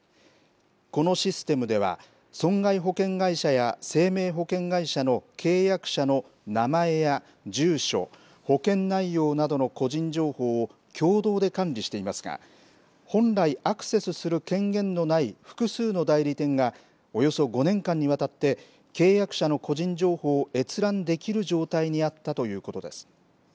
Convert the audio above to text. このシステムでは、損害保険会社や生命保険会社の契約者の名前や住所、保険内容などの個人情報を共同で管理していますが、本来アクセスする権限のない複数の代理店がおよそ５年間にわたって、契約者の個人情報を閲覧できる状態にあったということです。